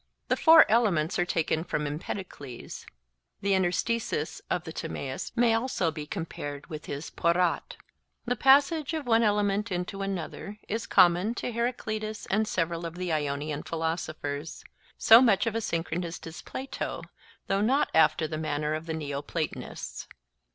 The four elements are taken from Empedocles; the interstices of the Timaeus may also be compared with his (Greek). The passage of one element into another is common to Heracleitus and several of the Ionian philosophers. So much of a syncretist is Plato, though not after the manner of the Neoplatonists.